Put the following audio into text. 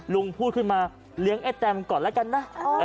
ลุงพูดขึ้นมาเลี้ยงไอ้แตมก่อนแล้วกันนะ